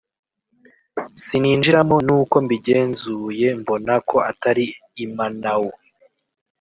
Sininjiramo Nuko mbigenzuye mbona ko atari Imanao